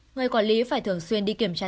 người quản lý phải thường xuyên đi kiểm tra